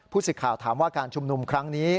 สิทธิ์ข่าวถามว่าการชุมนุมครั้งนี้